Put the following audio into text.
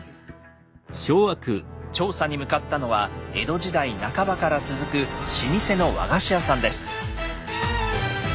調査に向かったのは江戸時代半ばから続く老舗の和菓子屋さんです。